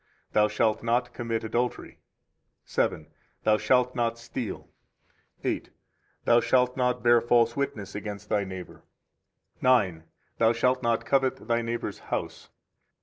Thou shalt not commit adultery. 7 7. Thou shalt not steal. 8 8. Thou shalt not bear false witness against thy neighbor. 9 9. Thou shalt not covet thy neighbor's house.